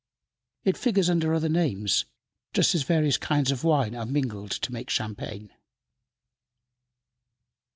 It figures under other names, just as various kinds of wine are mingled to make champagne.